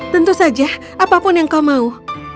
tentu saja apapun yang kau mau